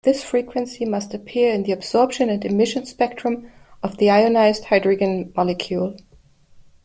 This frequency must appear in the absorption and emission spectrum of ionized hydrogen molecule.